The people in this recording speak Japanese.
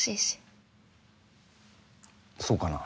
そうかな？